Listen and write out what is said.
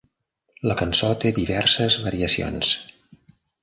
La cançó té diverses variacions.